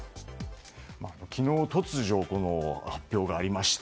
昨日、突如発表がありまして